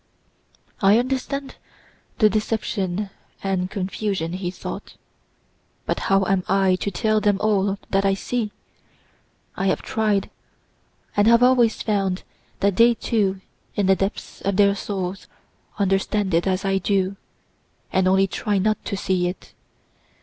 "I understand the deception and confusion," he thought, "but how am I to tell them all that I see? I have tried, and have always found that they too in the depths of their souls understand it as I do, and only try not to see it.